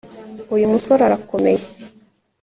Uyu musore arakomeye